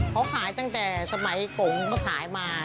เขาขายตั้งแต่สมัยกงเขาขายมา